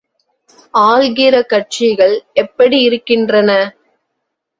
ஆள்கிற கட்சிகள் எப்படி இருக்கின்றன?